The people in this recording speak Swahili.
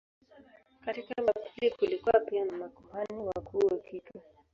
Katika Babeli kulikuwa pia na makuhani wakuu wa kike.